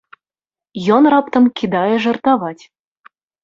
Ён раптам кідае жартаваць.